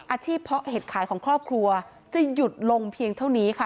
เพาะเห็ดขายของครอบครัวจะหยุดลงเพียงเท่านี้ค่ะ